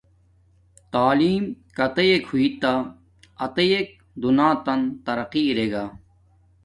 تعلیم کاتیک ہوݵ تا آتیک دوناتن ترقی ارے گا